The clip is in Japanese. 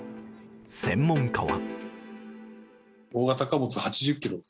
専門家は。